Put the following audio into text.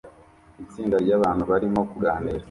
Itsinda ryabantu barimo kuganira